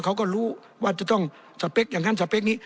เขาก็รู้ว่าจะต้องสเปคอย่างนั้นสเปคนี้